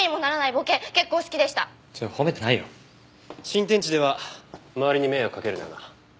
新天地では周りに迷惑かけるなよな。